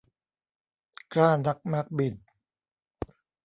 กล้านักมักบิ่น